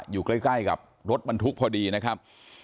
อยู่ใกล้กับรถบรรทุกพอดีนะครับ